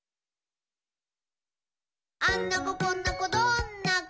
「あんな子こんな子どんな子？